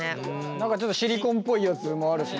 何かちょっとシリコンっぽいやつもあるしね。